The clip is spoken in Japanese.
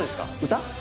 歌？